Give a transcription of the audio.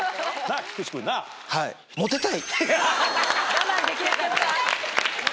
我慢できなかった。